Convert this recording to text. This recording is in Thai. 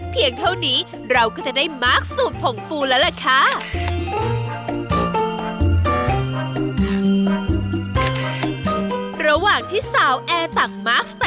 เพียงเท่านี้เราก็จะได้มาร์คสูตรผงฟูแล้วล่ะค่ะ